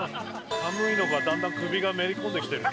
寒いのかだんだん首がめり込んできてる。